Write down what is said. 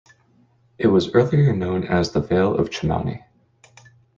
It was earlier known as the Vale of Chamouni.